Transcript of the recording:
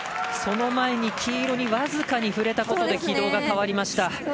その前に黄色に僅かに触れたことで軌道が変わりました。